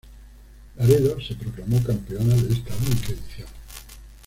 Laredo se proclamó campeona de esta única edición.